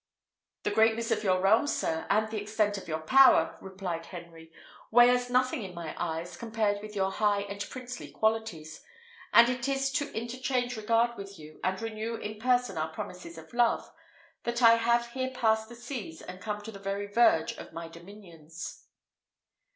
"The greatness of your realms, sir, and the extent of your power," replied Henry, "weigh as nothing in my eyes, compared with your high and princely qualities; and it is to interchange regard with you, and renew in person our promises of love, that I have here passed the seas and come to the very verge of my dominions."